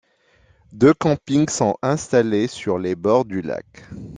Deux campings sont installés sur les bords du lac.